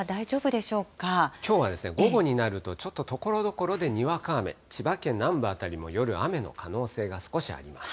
きょうは午後になると、ちょっとところどころでにわか雨、千葉県南部辺りも夜、雨の可能性が少しあります。